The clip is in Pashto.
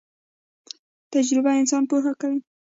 تجربه انسان پوه کوي